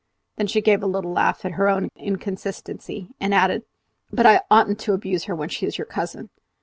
Then she gave a little laugh at her own inconsistency, and added, "But I oughtn't to abuse her when she is your cousin."